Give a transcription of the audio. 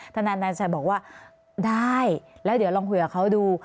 ทนายนันชัยบอกว่าได้แล้วเดี๋ยวลองคุยกับเขาดู